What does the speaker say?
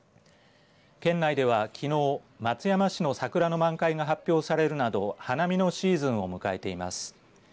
県内では、きのう松山市の桜の満開が発表されるなど花見のシーズンを迎えています。